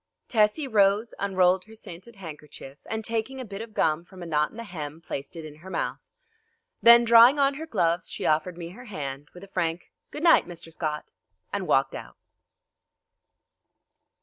Tessie rose, unrolled her scented handkerchief, and taking a bit of gum from a knot in the hem, placed it in her mouth. Then drawing on her gloves she offered me her hand, with a frank, "Good night, Mr. Scott," and walked out.